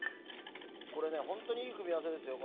これね本当にいい組み合わせですよ